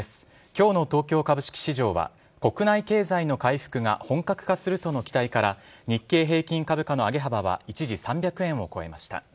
きょうの東京株式市場は、国内経済の回復が本格化するとの期待から、日経平均株価の上げ幅は一時３００円を超えました。